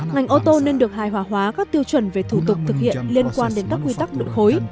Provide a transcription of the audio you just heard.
ngành ô tô nên được hài hòa hóa các tiêu chuẩn về thủ tục thực hiện liên quan đến các quy tắc nội khối